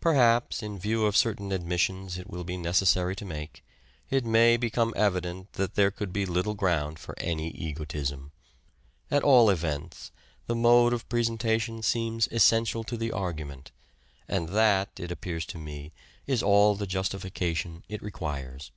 Perhaps, in view of certain admissions it will be neces sary to make, it may become evident that there could be little ground for any egotism. At all events, the mode of presentation seems essential to the argument, and that, it appears to me, is all the justification it requires.